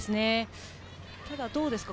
ただ、どうですか？